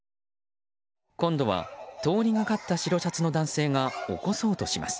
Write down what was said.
今度は、通りがかった白シャツの男性が起こそうとします。